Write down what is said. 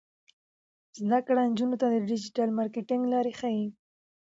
زده کړه نجونو ته د ډیجیټل مارکیټینګ لارې ښيي.